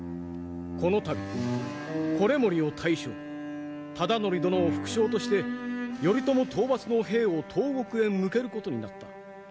この度維盛を大将忠度殿を副将として頼朝討伐の兵を東国へ向けることになった。